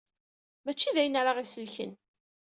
Mačči d ayen ara ɣ-isellken.